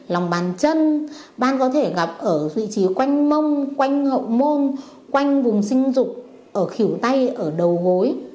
lòng bàn chân ban có thể gặp ở vị trí quanh mông quanh hậu môn quanh vùng sinh dục ở khỉu tay ở đầu gối